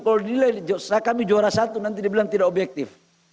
kalau dinilai kami juara satu nanti dibilang tidak objektif